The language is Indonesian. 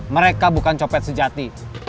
mereka bukan copet sejati